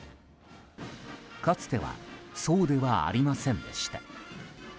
かつてはそうではありませんでした。